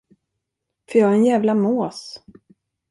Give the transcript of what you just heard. För jag är en jävla mås.